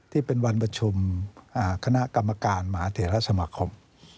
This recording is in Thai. ที่เป็นวันประชุมคณะกรรมการมหาเถระสมาคม